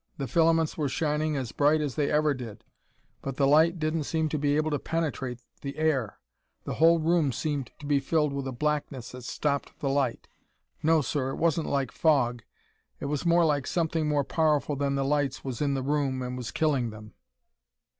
The filaments were shining as bright as they ever did, but the light didn't seem to be able to penetrate the air. The whole room seemed to be filled with a blackness that stopped the light. No, sir, it wasn't like fog; it was more like something more powerful than the lights was in the room and was killing them.